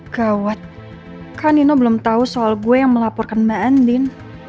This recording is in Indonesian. gawat kan nino belum tahu soal gue yang melaporkan mbak andin